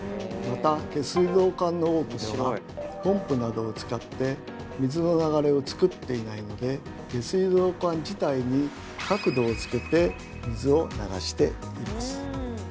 また下水道管の多くではポンプなどを使って水の流れをつくっていないので下水道管自体に角度をつけて水を流しています。